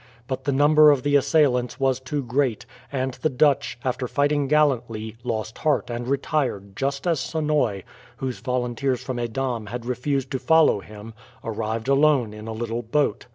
But the number of the assailants was too great, and the Dutch, after fighting gallantly, lost heart and retired just as Sonoy, whose volunteers from Edam had refused to follow him, arrived alone in a little boat.